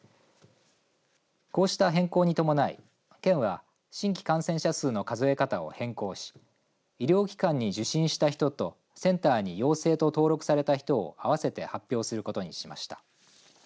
こうした変更に伴い県は新規感染者数の数え方を変更し医療機関に受診した人とセンターに陽性と登録された人を合わせて発表することにしました。